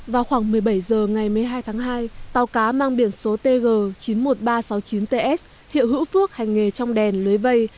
vào khoảng một mươi bảy h ngày một mươi hai tháng hai tàu cá mang biển số tg chín mươi một nghìn ba trăm sáu mươi chín ts hiệu hữu phước hành nghề trong đèn lưới vây